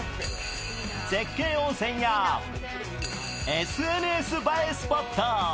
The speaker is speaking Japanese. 絶景温泉やＳＮＳ映えスポット。